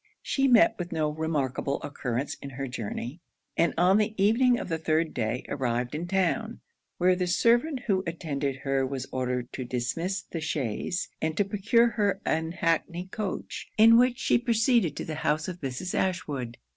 She met with no remarkable occurrence in her journey; and on the evening of the third day arrived in town; where the servant who attended her was ordered to dismiss the chaise, and to procure her an hackney coach, in which she proceeded to the house of Mrs. Ashwood.